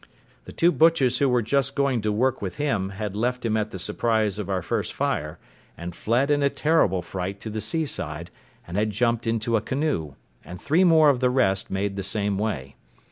The two butchers who were just going to work with him had left him at the surprise of our first fire, and fled in a terrible fright to the seaside, and had jumped into a canoe, and three more of the rest made the same way.